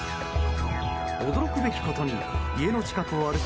驚くべきことに家の近くを歩く